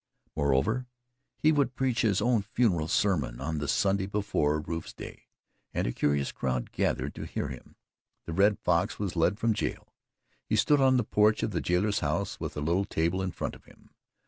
Moreover, he would preach his own funeral sermon on the Sunday before Rufe's day, and a curious crowd gathered to hear him. The Red Fox was led from jail. He stood on the porch of the jailer's house with a little table in front of him.